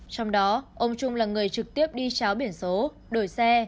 trong đó ông trung là người trực tiếp đi cháo biển số đổi xe